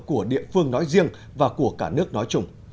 của địa phương nói riêng và của cả nước nói chung